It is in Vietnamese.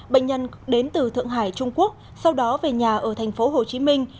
bệnh nhân đến từ thượng hải trung quốc sau đó về nhà ở thành phố hồ chí minh